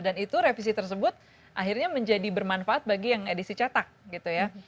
dan itu revisi tersebut akhirnya menjadi bermanfaat bagi yang edisi cetak gitu ya